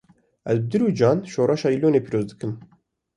Ez bi dil û can şoreşa Îlonê pîroz dikim